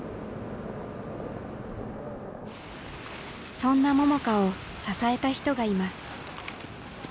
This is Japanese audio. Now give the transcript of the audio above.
そんな桃佳を支えた人がいます。